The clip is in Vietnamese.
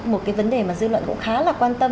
một cái vấn đề mà dư luận cũng khá là quan tâm